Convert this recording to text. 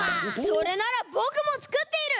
それならぼくもつくっている！